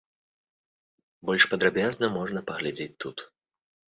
Больш падрабязна можна паглядзець тут.